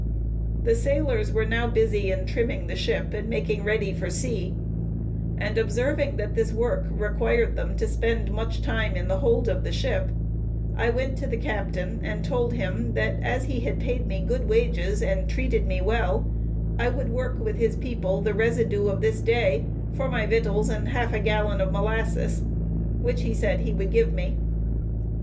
The sailors were now busy in trimming the ship and making ready for sea, and observing that this work required them to spend much time in the hold of the ship, I went to the captain and told him, that as he had paid me good wages and treated me well, I would work with his people the residue of this day, for my victuals and half a gallon of molasses; which he said he would give me.